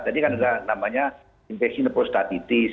tadi kan ada namanya infeksi nepostatitis